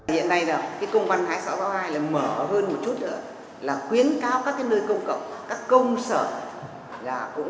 hiện nay công văn hai nghìn sáu trăm sáu mươi hai mở hơn một chút nữa